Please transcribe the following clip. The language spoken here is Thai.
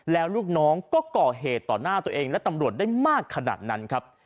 แล้วลูกน้องก็ก่อเหตุต่อหน้าตัวเองและตำรวจได้มากขนาดนั้นครับ